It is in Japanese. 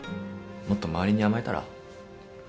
もっと周りに甘えたら？